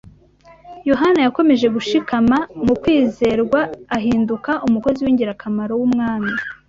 Yohana yakomeje gushikama mu kwizerwa, ahinduka umukozi w’ingirakamaro w’Umwami